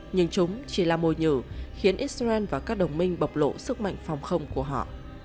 nhưng chúng chỉ là môi nhự khiến israel và các đồng minh bập lộ sức mạnh phòng không của họ